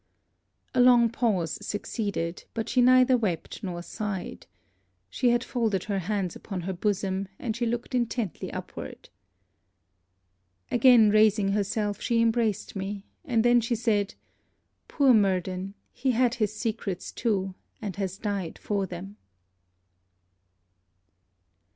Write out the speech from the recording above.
A long pause succeeded; but she neither wept not sighed. She had folded her hands upon her bosom, and she looked intently upward. Again raising herself, she embraced me; and then she said, 'Poor Murden! he had his secrets too, and he has died for them!'